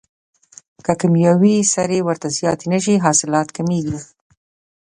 که کیمیاوي سرې ور زیاتې نشي حاصلات کمیږي.